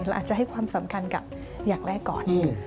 เราอาจจะให้ความสำคัญกับอยากได้ก่อน